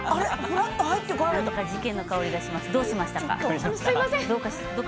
事件の香りがしますどうかしましたか？